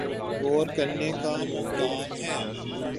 غور کرنے کا مقام ہے۔